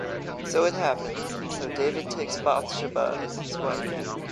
So it happens, and so David takes Bath-sheba as his wife.